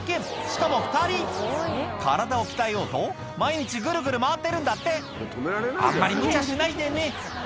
しかも２人体を鍛えようと毎日グルグル回ってるんだってあんまりむちゃしないでね